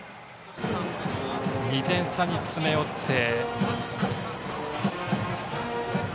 ２点差に詰め寄って。